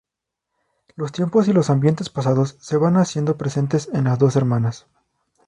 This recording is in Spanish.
Los tiempos y los ambientes pasados se van haciendo presentes en las dos hermanas.